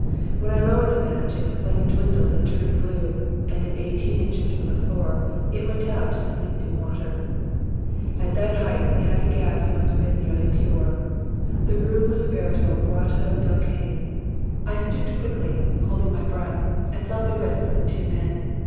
When I lowered the match, its flame dwindled and turned blue, and at eighteen inches from the floor it went out as if dipped in water. At that height the heavy gas must have been nearly pure. The room was a veritable Grotto del Cane. "I stooped quickly, holding my breath, and felt the wrists of the two men.